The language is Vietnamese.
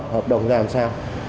hợp đồng làm sao